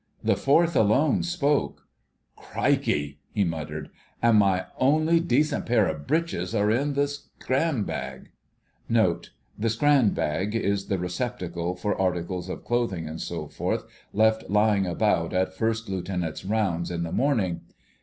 The fourth alone spoke— "Crikey!" he muttered, "an' my only decent pair of breeches are in the scran bag"[#] [#] The "scran bag" is the receptacle for articles of clothing, &c., left lying about at First Lieutenant's rounds in the morning.